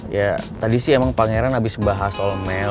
ya tadi sih emang pangeran abis bahas allmail